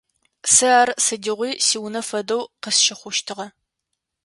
Сэ ар сыдигъуи сиунэ фэдэу къысщыхъущтыгъэ.